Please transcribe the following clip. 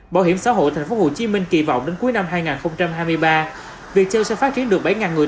bảo hiểm xã hội tp hcm kỳ vọng đến cuối năm hai nghìn hai mươi ba việt châu sẽ phát triển được bảy người